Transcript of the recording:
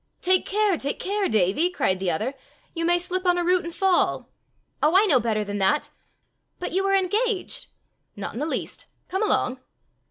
"Take care, take care, Davie!" cried the other: "you may slip on a root and fall!" "Oh, I know better than that! But you are engaged!" "Not in the least. Come along."